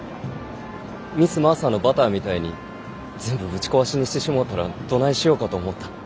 ミス・マーサのバターみたいに全部ぶち壊しにしてしもうたらどないしょうかと思った。